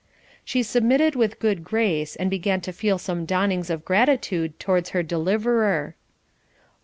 She submitted with good grace, and began to feel some dawnings of gratitude towards her deliverer.